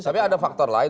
tapi ada faktor lain